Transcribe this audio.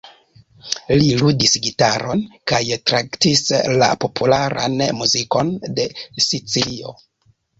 Li ludis gitaron kaj traktis la popularan muzikon de Sicilio.